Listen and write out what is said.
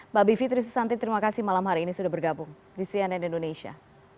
mbak bivitri susanti terima kasih malam hari ini sudah bergabung di cnn indonesia